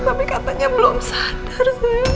tapi katanya belum sadar